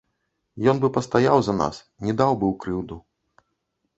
Ён бы пастаяў за нас, не даў бы ў крыўду.